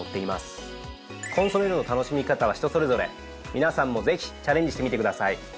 皆さんもぜひチャレンジしてみてください。